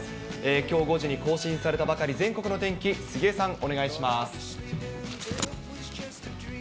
きょう５時に更新されたばかり、全国の天気、杉江さん、お願いします。